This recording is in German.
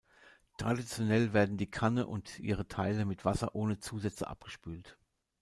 Traditionell werden die Kanne und ihre Teile mit Wasser ohne Zusätze abgespült.